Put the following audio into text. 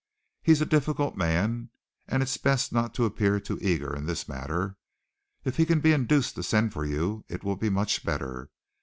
He's a difficult man and it's best not to appear too eager in this matter. If he can be induced to send for you it will be much better.